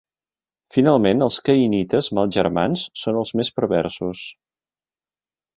Finalment, els caïnites mals germans són els més perversos.